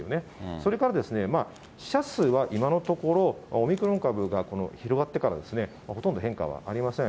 それから死者数は今のところ、オミクロン株が広がってからほとんど変化はありません。